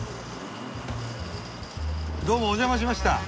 どうもお邪魔しました。